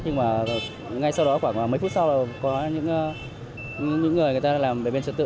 nhưng mà ngay sau đó khoảng mấy phút sau là có những người người ta làm bệnh viện trật tự